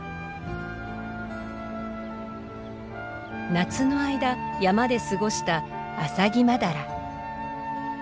夏の間山で過ごしたアサギマダラ。